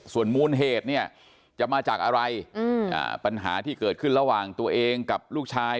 ส่วนมูลเหตุเนี่ยจะมาจากอะไรปัญหาที่เกิดขึ้นระหว่างตัวเองกับลูกชาย